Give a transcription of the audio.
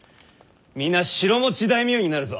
皆城持ち大名になるぞ。